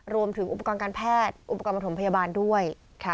รวมถึงอุปกรณ์การแพทย์อุปกรณ์ประถมพยาบาลด้วย